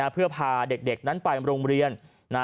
เพื่อพาเด็กนั้นไปโรงเรียน